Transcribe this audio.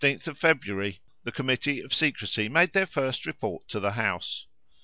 On the 16th of February the Committee of Secrecy made their first report to the House.